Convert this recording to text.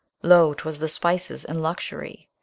Lo ! 'twas the spices and luxury.